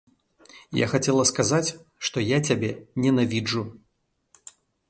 Я хацела сказаць, што я цябе ненавіджу.